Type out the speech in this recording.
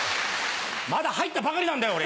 まだ入ったばかりなんだよ俺。